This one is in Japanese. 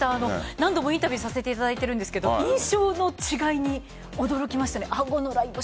何度もインタビューさせていただいているんですけど印象の違いに驚きました。